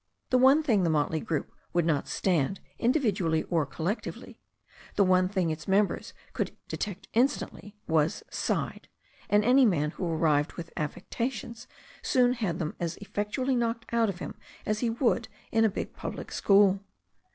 The one thing the motley group would not stand, individually or collectively, the one thing its members could detect instantly was "side," and any man who arrived with THE STORY OF A NEW ZEALAND RIVER yy affectations soon had them as effectually knocked out of him as he would in a big public school.